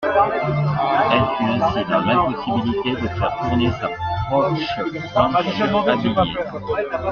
Elle fut ainsi dans l'impossibilité de faire tourner sa proche planche à billet.